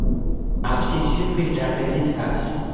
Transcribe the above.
აბსიდში ქვის ტრაპეზი დგას.